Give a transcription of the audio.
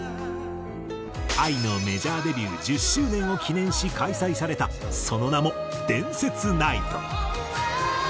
ＡＩのメジャーデビュー１０周年を記念し開催されたその名も「伝説ＮＩＧＨＴ」。